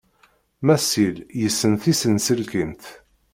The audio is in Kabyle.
Masil yessen tisenselkimt.